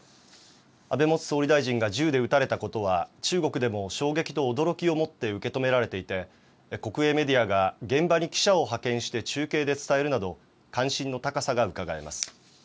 安倍元総理大臣が銃で撃たれたことは中国でも、衝撃と驚きを持って受け止められていて国営メディアが現場に記者を派遣して中継で伝えるなど関心の高さがうかがえます。